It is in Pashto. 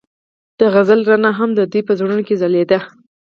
د غزل رڼا هم د دوی په زړونو کې ځلېده.